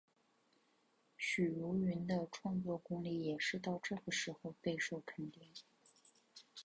许茹芸的创作功力也是到这个时候备受肯定。